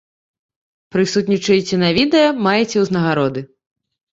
Прысутнічаеце на відэа, маеце ўзнагароды.